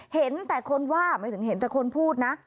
เห็นแต่คนว่าไม่ถึงเห็นแต่คนพูดนะ